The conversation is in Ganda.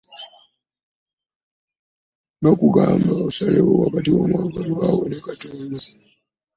Bakugamba osalewo wakati w'omwagalwawo ne Katonda .